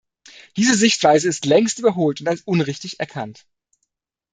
Diese Sichtweise ist längst überholt und als unrichtig erkannt.